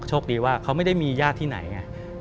โชคดีว่าเขาไม่ได้มีญาติที่ไหนไง